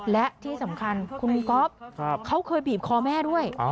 และที่สำคัญคุณก๊อฟเขาเคยบีบคอแม่ด้วย